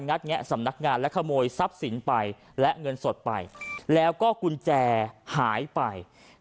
แงะสำนักงานและขโมยทรัพย์สินไปและเงินสดไปแล้วก็กุญแจหายไป